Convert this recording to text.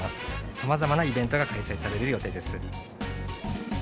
さまざまなイベントが開催される予定です。